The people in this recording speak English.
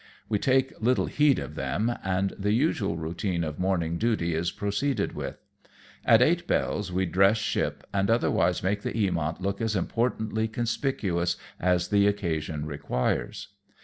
We take little heed of them, and the usual routine of morning duty is proceeded with. At eight bells we dress ship, and otherwise make the Mamont look as importantly conspicuous as the occasion requires.